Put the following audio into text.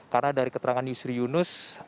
karena dari keterangan yusri yunus